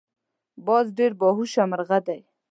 باز ډیر باهوشه مرغه دی